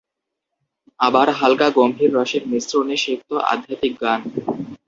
আবার হালকা-গম্ভীর রসের মিশ্রণে সিক্ত আধ্যাত্মিক গান।